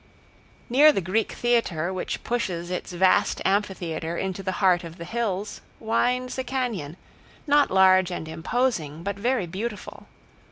Near the Greek Theater, which pushes its vast amphitheater into the heart of the hills, winds a cañon, not large and imposing, but very beautiful.